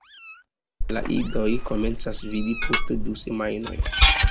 La idoj komencas vidi post du semajnoj.